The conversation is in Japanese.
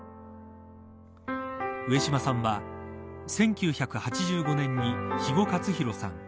上島さんは１９８５年に肥後克広さん